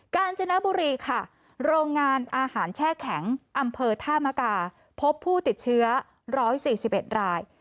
การจนบุรีค่ะโรงงานอาหารแช่แข็งอำเภอธามกาพบผู้ติดเชื้อ๑๔๑ราย